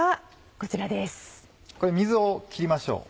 これ水を切りましょう。